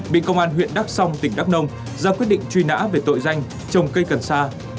bị công an huyện đắk song tỉnh đắk nông ra quyết định truy nã về tội danh trồng cây cần sa